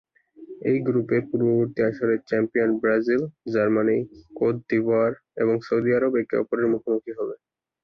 এই গ্রুপে পূর্ববর্তী আসরের champion Brazil, Germany, Cote d'Ivoire এবং সৌদি আরব একে অপরের মুখোমুখি হবে।